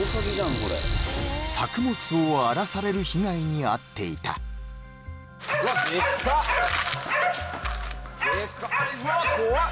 これ作物を荒らされる被害に遭っていたうわっでっか！